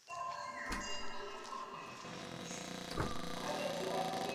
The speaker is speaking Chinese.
桥街碘泡虫为碘泡科碘泡虫属的动物。